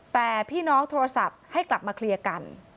แต่พี่น้องโทรศัพท์ให้กลับมาเคลียร์กัน